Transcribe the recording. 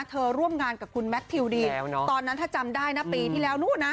ร่วมงานกับคุณแมททิวดีนตอนนั้นถ้าจำได้นะปีที่แล้วนู้นนะ